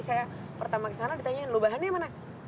saya pertama ke sana ditanyain loh bahannya mana